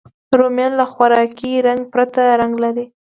رومیان له خوراکي رنګ پرته رنګ لري